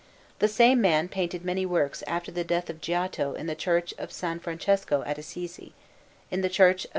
The same man painted many works after the death of Giotto in the Church of S. Francesco at Assisi, and in the Church of S.